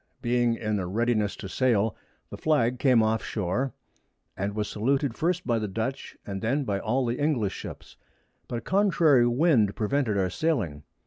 Being in a readiness to sail, the Flag came off Shore, was saluted first by the Dutch, and then by all the English Ships; but a contrary Wind prevented our sailing.